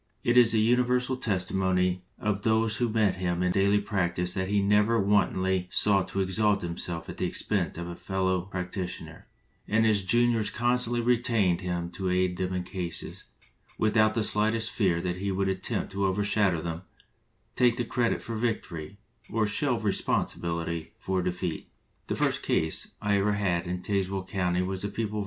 It is the universal testimony of those who met him in daily practice that he never wantonly sought to exalt himself at the expense of a fellow practitioner, and his ju 185 LINCOLN THE LAWYER niors constantly retained him to aid them in cases, without the slightest fear that he would attempt to overshadow them, take the credit for vic tory, or shelve responsibility for a defeat. "The first case I ever had in Tazewell County was the People v.